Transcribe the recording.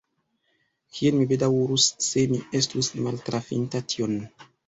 kiel mi bedaŭrus, se mi estus maltrafinta tion!